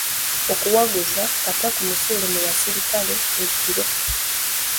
Okuwaguza kata kumusuule mu basirikale ekiro.